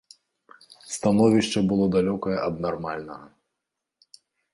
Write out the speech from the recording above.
Становішча было далёкае ад нармальнага.